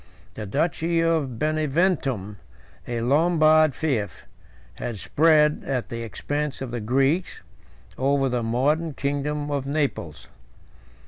The duchy of Beneventum, a Lombard fief, had spread, at the expense of the Greeks, over the modern kingdom of Naples.